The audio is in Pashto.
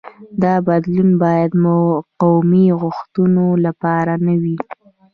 دا بدلون باید قومي غوښتنو لپاره نه وي.